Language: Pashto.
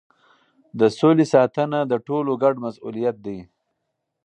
د سولې ساتنه د ټولو ګډ مسؤلیت دی.